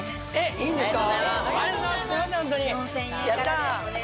いいんですか？